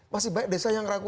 masih banyak desa yang ragu